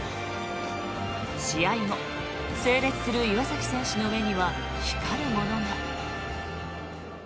試合後、整列する岩崎選手の目には光るものが。